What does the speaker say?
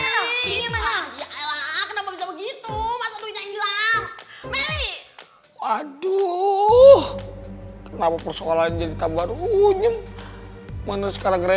melihat ini mah ya allah kenapa ini mah ya allah kenapa ini mah ya allah kenapa ini mah ya allah kenapa ini